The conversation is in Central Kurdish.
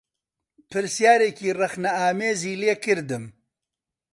پرسیارێکی ڕخنەئامێزی لێ کردم